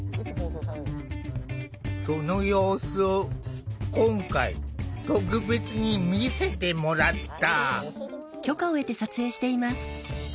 その様子を今回特別に見せてもらった。